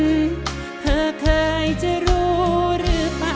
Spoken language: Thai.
เธอเคยจะรู้หรือเปล่า